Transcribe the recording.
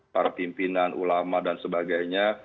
pimpinan ulama dan sebagainya